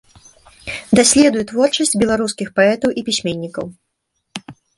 Даследуе творчасць беларускіх паэтаў і пісьменнікаў.